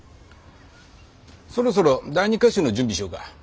そろそろ第２歌集の準備しようか。